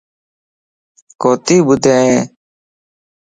ڪوتي ٻڌين؟